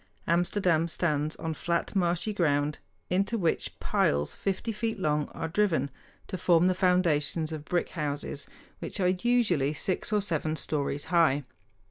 Amsterdam stands on flat, marshy ground into which piles fifty feet long are driven to form the foundations of brick houses, which are usually six or seven stories high.